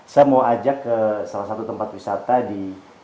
saya mau ajak ke salah satu tempat wisata di